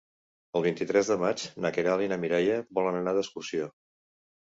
El vint-i-tres de maig na Queralt i na Mireia volen anar d'excursió.